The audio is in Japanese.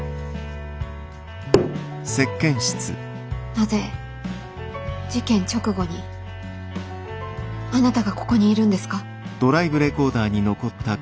なぜ事件直後にあなたがここにいるんですか？